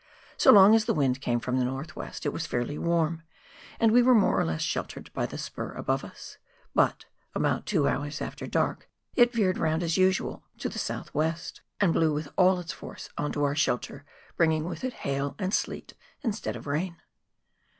So long as the wind came from the north west it was fairly warm, and we were more or less sheltered by the spur above us ; but, about two hours after dark, it veered round as usual to the WAIHO RIVER — THE HIGH COUNTRY. 73 soutli west, and blew wftli all its force on to our shelter, brinjjinff with it hail and sleet, instead of rain.